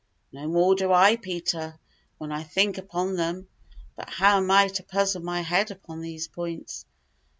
"No more do I, Peter, when I think upon them; but how am I to puzzle my head upon these points?